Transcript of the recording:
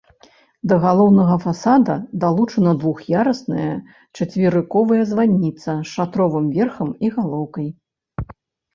Да галоўнага фасада далучана двух'ярусная чацверыковая званіца з шатровым верхам і галоўкай.